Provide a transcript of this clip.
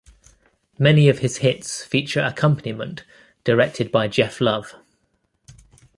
Many of his hits feature accompaniment directed by Geoff Love.